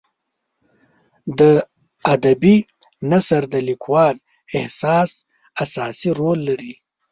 د ادبي نثر د لیکوال احساس اساسي رول لري.